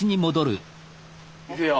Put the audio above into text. いくよ。